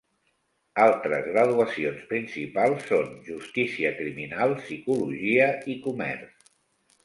Altres graduacions principals són justícia criminal, psicologia i comerç.